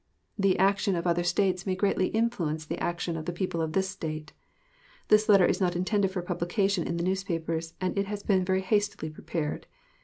The action of other States may greatly influence the action of the people of this State. This letter is not intended for publication in the newspapers, and has been very hastily prepared.